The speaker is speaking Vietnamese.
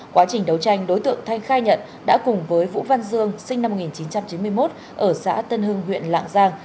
quá trình đấu tranh đối tượng thanh khai nhận đã cùng với vũ văn dương sinh năm một nghìn chín trăm chín mươi một ở xã tân hưng huyện lạng giang